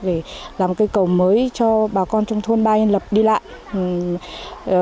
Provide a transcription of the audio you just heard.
để làm cây cầu mới cho bà con trong thôn ba yên lập đi lại